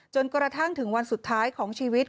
จนกระทั่งถึงวันสุดท้ายของชีวิต